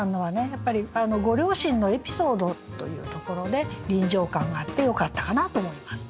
やっぱりご両親のエピソードというところで臨場感があってよかったかなと思います。